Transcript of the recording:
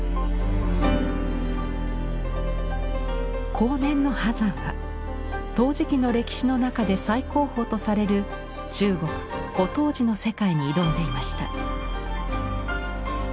後年の波山は陶磁器の歴史の中で最高峰とされる中国古陶磁の世界に挑んでいました。